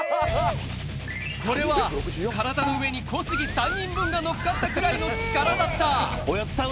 これは体の上に小杉３人分が乗っかったくらいの力だった。